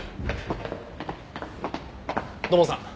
土門さん。